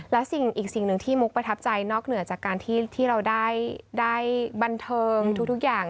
และอีกสิ่งหนึ่งที่มุกประทับใจนอกเหนือจากการที่เราได้บันเทิงทุกอย่าง